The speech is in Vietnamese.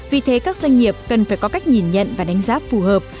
vì thế các doanh nghiệp cần phải có cách nhìn nhận và đánh giá phù hợp